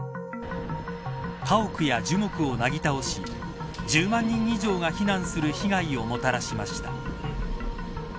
家屋や樹木をなぎ倒し１０万人以上が避難する被害をもたらしました。